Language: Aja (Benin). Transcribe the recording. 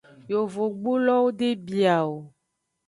Yovogbulowo de bia o.